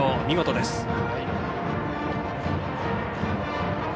見事です。